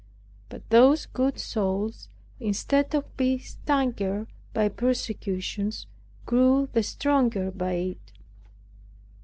But those good souls instead of being staggered by persecutions, grew the stronger by it.